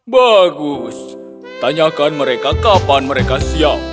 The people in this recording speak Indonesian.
bagus tanyakan mereka kapan mereka siap